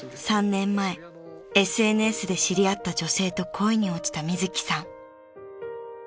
［３年前ＳＮＳで知り合った女性と恋に落ちたみずきさん］